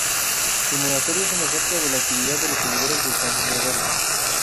El monasterio es un ejemplo de la actividad de los seguidores de San Gregorio.